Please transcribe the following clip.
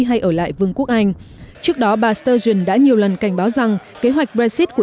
hay ở lại vương quốc anh trước đó bà sturgend đã nhiều lần cảnh báo rằng kế hoạch brexit của